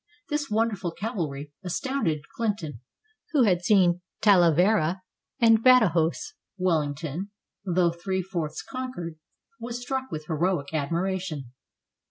This wonderful cavalry astounded Clinton, who had seen Talavera and Badajos. Wellington, though three fourths conquered, was struck with heroic admiration.